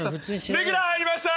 レギュラー入りました‼